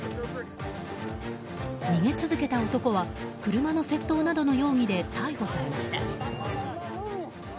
逃げ続けた男は車の窃盗などの容疑で逮捕されました。